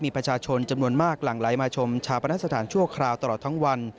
มีประชาชนจำนวนมากหลั่งไหลมาชมชาปนสถานชั่วคราวตลอดทั้งวัน